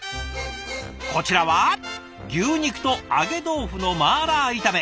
こちらは牛肉と揚げ豆腐の麻辣炒め。